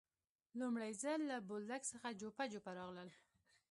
لومړی ځل له بولدک څخه جوپه جوپه راغلل.